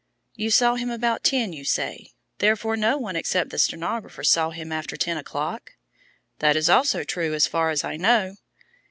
"You saw him about ten, you say; therefore no one except the stenographer saw him after ten o'clock?" "That is also true, as far as I know."